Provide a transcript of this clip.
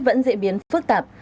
vẫn diễn biến phức tạp